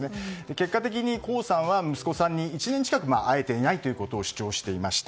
結果的に江さんは息子さんに１年近く会えていないということを主張していました。